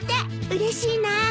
うれしいな。